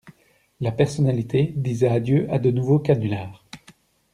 La personnalité disait adieu à de nouveaux canulars.